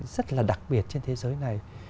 điều đặc biệt trên thế giới này